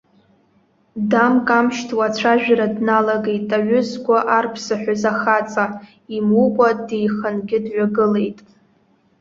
Дамк-амшьҭуа ацәажәара дналагеит аҩы згәы арԥсаҳәаз ахаҵа, имукәа деихангьы дҩагылеит.